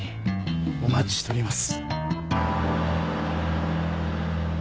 お待ちしております。